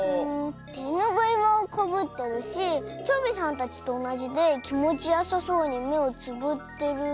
てぬぐいはかぶってるしチョビさんたちとおなじできもちよさそうにめをつぶってる。